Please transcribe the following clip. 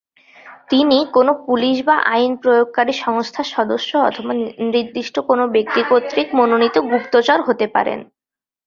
তিনি কোন পুলিশ বা আইন প্রয়োগকারী সংস্থার সদস্য অথবা নির্দিষ্ট কোন ব্যক্তি কর্তৃক মনোনীত গুপ্তচর হতে পারেন।